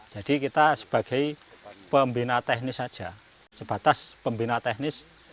jadi kita sebagai pembina teknis saja sebatas pembina teknis